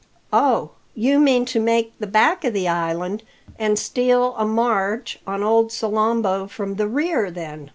"Oh, you mean to make the back of the island, and steal a march on old Salambo from the rear, then?"